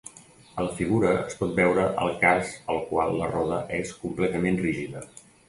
A la Figura es pot veure el cas al qual la roda és completament rígida.